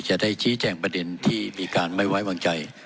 จะได้ชี้แจงประเด็นที่มีการไม่ไว้วางใจ